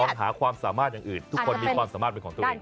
หาความสามารถอย่างอื่นทุกคนมีความสามารถเป็นของตัวเอง